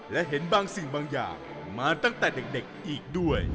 และเห็นบางสิ่งบางอย่างมาตั้งแต่เด็กอีกด้วย